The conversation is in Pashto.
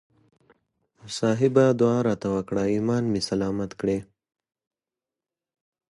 صاحبه دعا راته وکړه ایمان مې سلامت کړي.